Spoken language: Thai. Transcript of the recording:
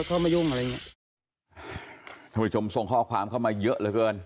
ท่านผู้ประชุมส่งข้อความเข้ามาเยอะละกิ้น